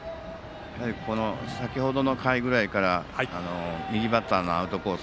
先程の回ぐらいから右バッターのアウトコース